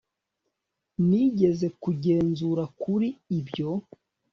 nigeze kugenzura kuri ibyo